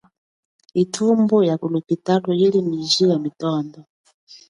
Ithumbo ya lophitalo, yili miji ya mitondo.